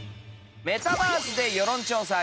メタバースで世論調査。